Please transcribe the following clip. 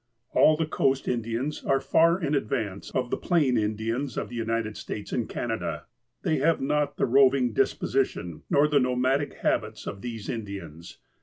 All the coast Indians are far in advance of the plain In dians of the United States and Canada. They have not the roving disposition, nor the nomadic habits of these Indians.